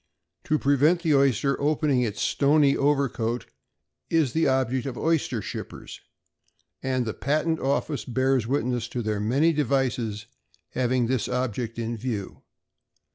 To prevent the oyster opening its stony overcoat, is the object of oyster shippers; and the Patent Office bears witness to their many devices having this object in view.